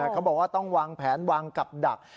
เขาบอกว่าต้องวางแผนวางกับดัก